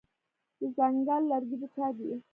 د ځنګل لرګي د چا دي؟